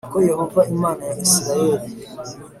Ko yehova imana ya isirayeli